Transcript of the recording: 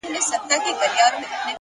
د زغم ځواک د لویوالي نښه ده،